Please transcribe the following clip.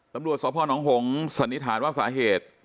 ตำรวจสพนหงษนิษฐานว่าสาเหตุ